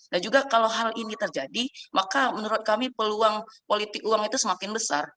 dan juga kalau hal ini terjadi maka menurut kami peluang politik uang itu semakin besar